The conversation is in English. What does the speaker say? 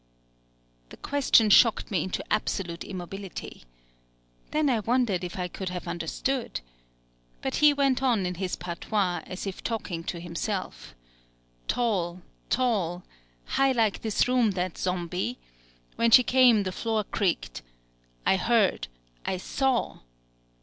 The question shocked me into absolute immobility. Then I wondered if I could have understood. But he went on in his patois, as if talking to himself: "Tall, tall high like this room, that Zombi. When She came the floor cracked. I heard I saw."